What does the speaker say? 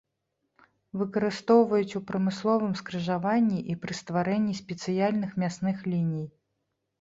Выкарыстоўваюць у прамысловым скрыжаванні і пры стварэнні спецыяльных мясных ліній.